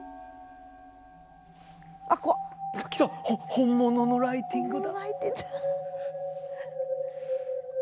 本物のライティングだ！